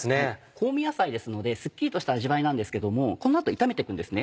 香味野菜ですのですっきりとした味わいなんですけどもこの後炒めて行くんですね。